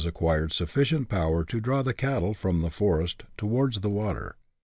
acquired sufficient power to draw the cattle from the forest towards the water.